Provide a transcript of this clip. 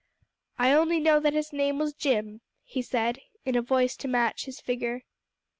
"I only know that his name was Jim," he said in a voice to match his figure.